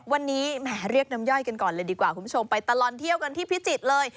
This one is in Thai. วันนี้แหมเรียกน้ำย่อยกันก่อนเลยดีกว่าคุณผู้ชมไปตลอดเที่ยวกันที่พิจิตรเลย